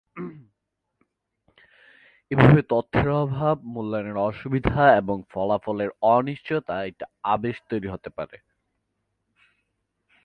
এভাবে তথ্যের অভাব, মূল্যায়নের অসুবিধা এবং ফলাফলের অনিশ্চয়তা একটি আবেশ তৈরি হতে পারে।